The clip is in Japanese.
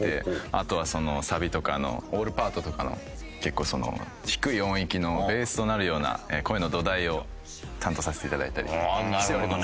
あとはサビとかのオールパートとかの結構低い音域のベースとなるような声の土台を担当させていただいたりしております。